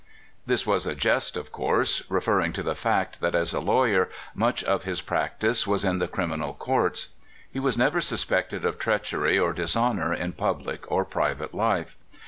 This was a jest, of course, referring to the fact that as a lawyer much of his practice was in the criminal courts. He was never suspected of treachery or dishonor in public or private hie.